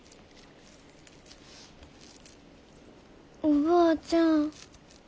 おばあちゃん。